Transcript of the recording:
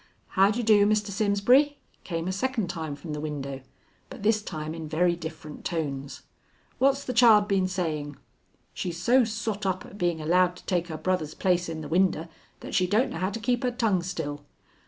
"How d' ye do, Mr. Simsbury?" came a second time from the window, but this time in very different tones. "What's the child been saying? She's so sot up at being allowed to take her brother's place in the winder that she don't know how to keep her tongue still.